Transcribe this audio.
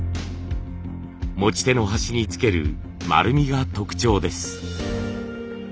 持ち手の端につける丸みが特徴です。